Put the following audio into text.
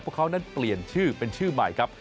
พวกเขานั้นเปลี่ยนชื่อเป็นชื่อใหม่ครับ